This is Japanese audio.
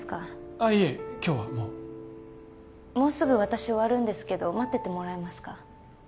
ああいえ今日はもうもうすぐ私終わるんですけど待っててもらえますか？